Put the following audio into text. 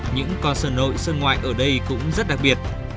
những con sơn nội sơn ngoại ở đây cũng rất đặc biệt